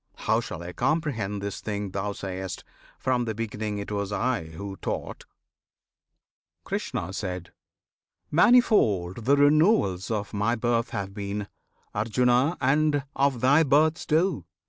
How shall I comprehend this thing thou sayest, "From the beginning it was I who taught?" Krishna. Manifold the renewals of my birth Have been, Arjuna! and of thy births, too!